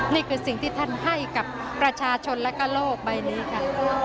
นี่คือสิ่งที่ท่านให้กับประชาชนและก็โลกใบนี้ค่ะ